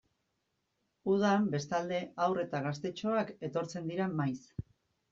Udan, bestalde, haur eta gaztetxoak etortzen dira maiz.